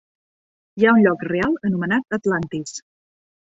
Hi ha un lloc real anomenat Atlantis.